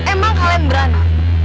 kalau emang kalian berani